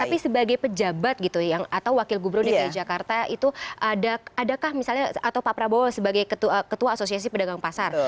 tapi sebagai pejabat gitu ya atau wakil gubernur dki jakarta itu adakah misalnya atau pak prabowo sebagai ketua asosiasi pedagang pasar